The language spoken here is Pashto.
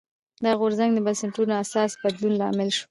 دا غورځنګ د بنسټونو اساسي بدلون لامل شو.